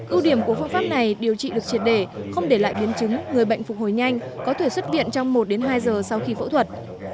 ưu điểm của phương pháp này điều trị được triệt để không để lại biến chứng người bệnh phục hồi nhanh có thể xuất viện trong một hai giờ sau khi phẫu thuật